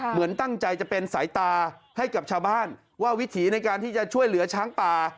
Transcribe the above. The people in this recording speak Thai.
เหมือนตั้งใจจะเป็นสายตาให้กับชาวบ้านว่าวิถีในการที่จะช่วยเหลือช้างป่า